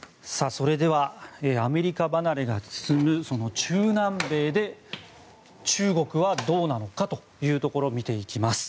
それではアメリカ離れが進む中南米で中国はどうなのかというところ見ていきます。